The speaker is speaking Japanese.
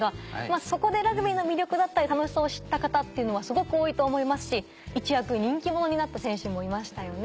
そこでラグビーの魅力だったり楽しさを知った方っていうのはすごく多いと思いますし一躍人気者になった選手もいましたよね。